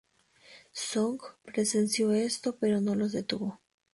Song presenció esto, pero no los detuvo.